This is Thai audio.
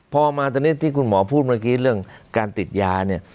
พอมาตอนนี้ที่คุณหมอพูดเมื่อกี้เรื่องการติดยาเนี่ย